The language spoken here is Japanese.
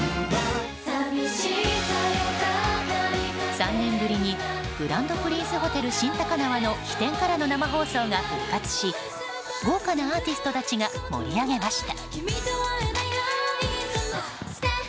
３年ぶりにグランドプリンスホテル新高輪の飛天からの生放送が復活し豪華なアーティストたちが盛り上げました。